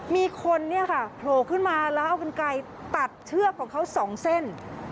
มีคนโผล่ขึ้นมาแล้วเอากินไกรตัดเชือกของเขา๒เส้น